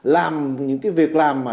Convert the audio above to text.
làm những cái việc làm mà